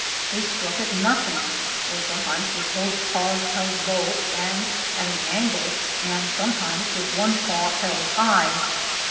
They struck at nothing or sometimes with both paws held low and at an angle, and sometimes with one paw held high.